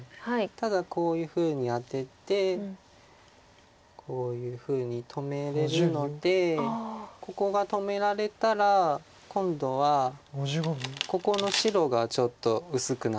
ただこういうふうにアテてこういうふうに止めれるのでここが止められたら今度はここの白がちょっと薄くなってしまうので。